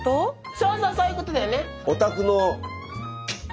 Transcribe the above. そうそうそういうことだよね。